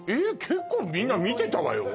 結構みんな見てたわよ